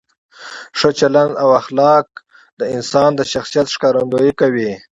ښه چلند او اخلاق د انسان د شخصیت ښکارندویي کوي.